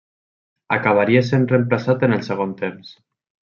Acabaria sent reemplaçat en el segon temps.